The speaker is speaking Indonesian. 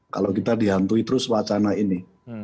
kalau kita dihantui terus wacana ini